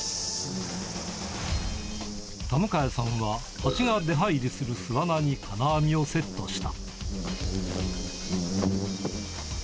田迎さんは、ハチが出入りする巣穴に金網をセットした。